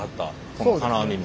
この金網も。